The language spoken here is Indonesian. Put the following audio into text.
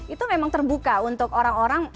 itu memang terbuka untuk orang orang